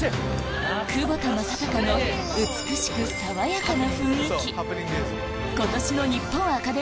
窪田正孝の美しく爽やかな雰囲気